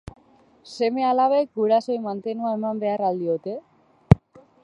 Seme-alabek gurasoei mantenua eman behar al diote?